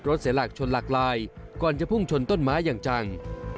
เสียหลักชนหลากหลายก่อนจะพุ่งชนต้นไม้อย่างจัง